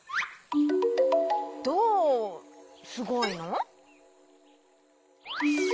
どうすごいの？